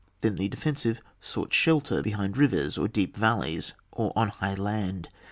Then the defensive sought shelter behind rivers or deep valleys, or on high land.